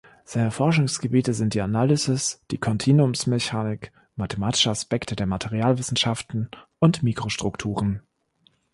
Seine Forschungsgebiete sind die Analysis, die Kontinuumsmechanik, mathematische Aspekte der Materialwissenschaften und Mikrostrukturen.